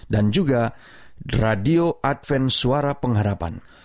dan juga radio advent suara pengharapan